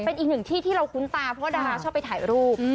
เป็นอีกหนึ่งที่ที่เราคุ้นตาเพราะว่าดาราชอบไปถ่ายรูป